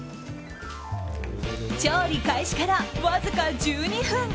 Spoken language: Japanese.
調理開始から、わずか１２分。